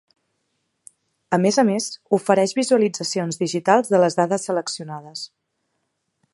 A més a més, ofereix visualitzacions digitals de les dades seleccionades.